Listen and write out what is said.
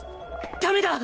ダメだ！